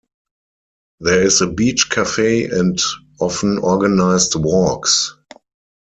There is a beach cafe and often organised walks.